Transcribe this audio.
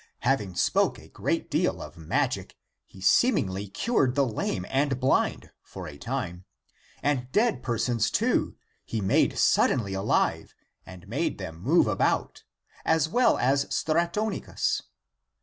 Having spoken a great deal of magic, he seemingly cured the lame and blind for a time, and dead per sons, too, he made suddenly alive and made them move about, as well as Stratonicus.